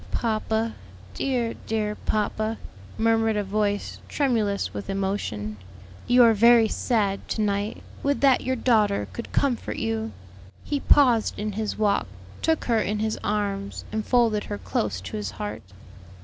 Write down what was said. "Papa, dear, dear papa," murmured a voice tremulous with emotion, "you are very sad to night; would that your daughter could comfort you!" He paused in his walk, took her in his arms and folded her close to his heart.